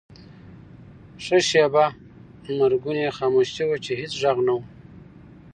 ښه شیبه مرګونې خاموشي وه، چې هېڅ ږغ نه و.